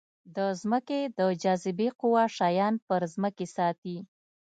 د ځمکې د جاذبې قوه شیان پر ځمکې ساتي.